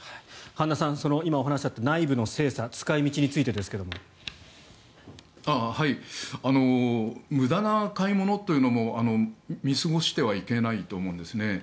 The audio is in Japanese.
半田さん今お話にあった内部の精査無駄な買い物というのも見過ごしてはいけないと思うんですね。